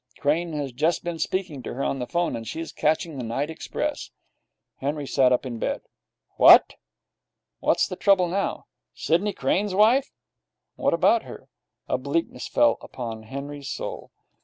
Crane has just been speaking to her on the phone, and she is catching the night express.' Henry sat up in bed. 'What!' 'What's the trouble now?' 'Sidney Crane's wife?' 'What about her?' A bleakness fell upon Henry's soul.